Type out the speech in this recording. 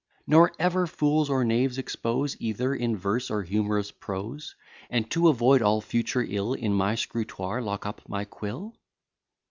Nor ever fools or knaves expose, Either in verse or humorous prose: And to avoid all future ill, In my scrutoire lock up my quill?